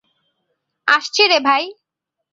আসছি রে ভাই।